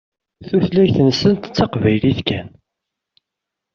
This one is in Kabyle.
Tutlayt-nsent d taqbaylit kan.